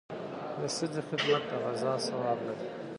د ښځې خدمت د غزا ثواب لري.